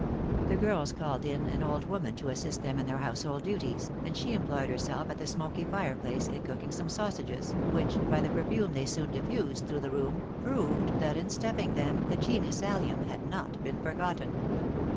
The girls called in an old woman to assist them in their household duties, and she employed her self at the smoky tire place in cooking some sausages, which, by the perfume the} 7 " soon diffused through the room, proved that in stuffing them the genus alliwn had not been forgotten.